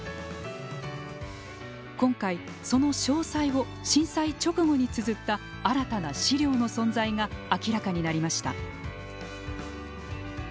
今回、その詳細を震災直後につづった新たな資料の存在が明らかになりました。